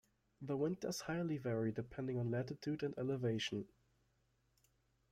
The winters highly vary depending on latitude and elevation.